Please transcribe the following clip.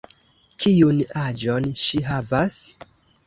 Kiun aĝon ŝi havas?